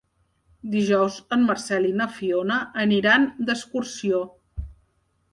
Dijous en Marcel i na Fiona aniran d'excursió.